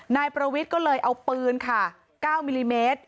นายประวิทย์ก็เลยเอาปืนค่ะ๙มิลลิเมตร